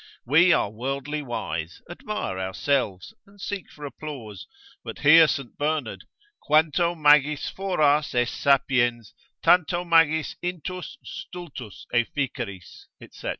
We are worldly wise, admire ourselves, and seek for applause: but hear Saint Bernard, quanto magis foras es sapiens, tanto magis intus stultus efficeris, &c.